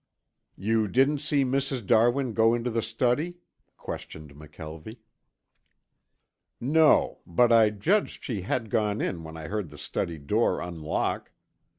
"You didn't see Mrs. Darwin go into the study?" questioned McKelvie. "No, but I judged she had gone in when I heard the study door unlock.